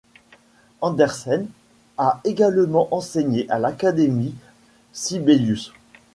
Andersén a également enseigné à l'Académie Sibelius.